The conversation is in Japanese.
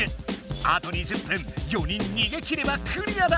あと２０分４人逃げ切ればクリアだ！